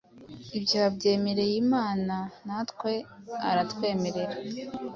Ibyo yabyemereye Imana natwe aratwemerera